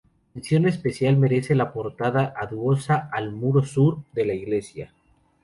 Mención especial merece la portada, adosada al muro sur de la iglesia.